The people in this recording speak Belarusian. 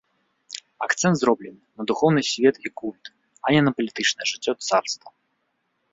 Акцэнт зроблены на духоўны свет і культ, а не на палітычнае жыццё царства.